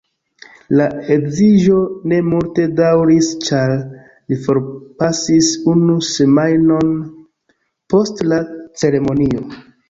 La edziĝo ne multe daŭris ĉar li forpasis unu semajnon post la ceremonio.